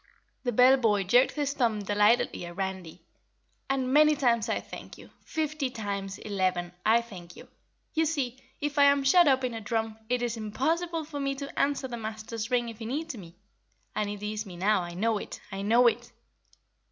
The bell boy jerked his thumb delightedly at Randy. "And many times I thank you fifty times eleven, I thank you. You see, if I am shut up in a drum, it is impossible for me to answer the Master's ring if he needs me. And he needs me now, I know it, I know it!"